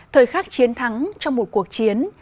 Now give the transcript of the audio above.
thời khắc chiến thắng trong một cuộc chiến